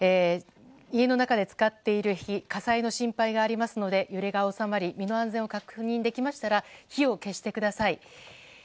家の中で使っている火火災の心配がありますので揺れが収まり、身の安全が確認できましたら火を消してください。